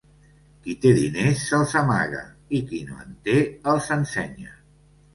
Qui té diners, se'ls amaga, i qui no en té, els ensenya.